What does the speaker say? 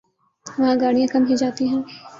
وہاں گاڑیاں کم ہی جاتی ہیں ۔